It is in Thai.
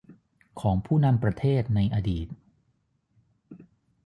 ของผู้นำประเทศในอดีต